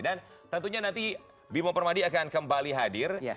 dan tentunya nanti bimo permadi akan kembali hadir